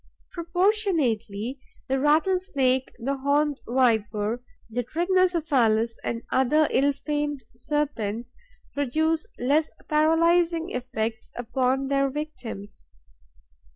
Proportionately, the Rattlesnake, the Horned Viper, the Trigonocephalus and other ill famed serpents produce less paralysing effects upon their victims.